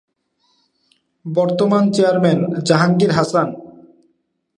বর্তমান চেয়ারম্যান- জাহাঙ্গীর হাসান।